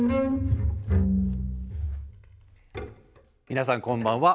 皆さんこんばんは。